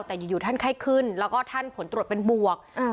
แต่อยู่ท่านไข้ขึ้นแล้วก็ท่านผลตรวจเป็นบวก